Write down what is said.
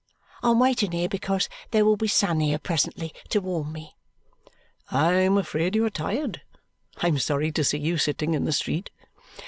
"I'm waiting here because there will be sun here presently to warm me." "I am afraid you are tired. I am sorry to see you sitting in the street."